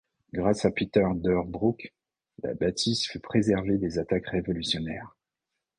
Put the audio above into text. Grâce à Piter Deurbroucq, la bâtisse fut préservée des attaques révolutionnaires.